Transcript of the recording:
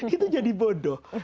itu jadi bodoh